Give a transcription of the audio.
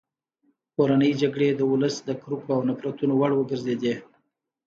کورنۍ جګړې د ولس د کرکو او نفرتونو وړ وګرځېدې.